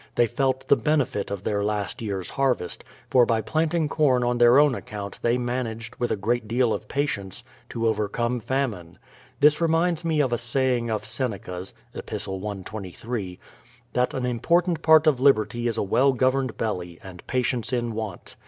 They felt the benefit of their last year's harvest ; for by planting corn on their own account they managed, with a great deal of patience, to overcome famine. This reminds me of a saying of Seneca's (Epis. 123) : that an important part of liberty 142 BRADFORD'S HISTORY OF is a well governed belly, and patience in want.